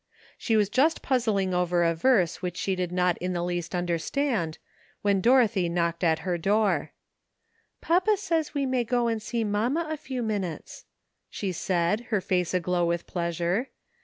She was just puzzling over a verse which 241 242 LEARNING. she did not in the least understand, when Doro thy knocked at her door. '' Papa says we may go and see mamma a few minutes," she said, her face aglow with pleasure.